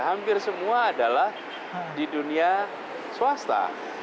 hampir semua adalah di dunia swasta